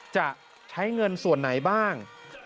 จะใช้เงินส่วนไหนบ้าง